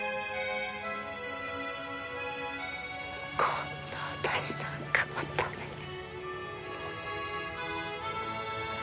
こんな私なんかのために。